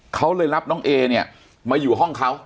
เขาเลยรับน้องเอเนี่ยมาอยู่ห้องเขา